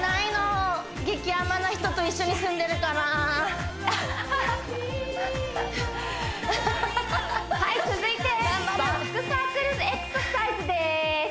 激甘な人と一緒に住んでるからあははあはははい続いてバックサークルエクササイズです